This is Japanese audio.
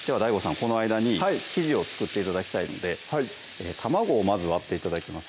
この間に生地を作って頂きたいので卵をまず割って頂きます